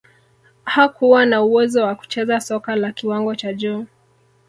hakuwa na uwezo wa kucheza soka la kiwango cha juu